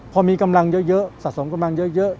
พอมีกำลังเยอะสะสมกำลังเยอะ